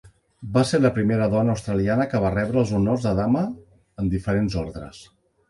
Va ser la primera dona australiana que va rebre els honors de dama en diferents ordres.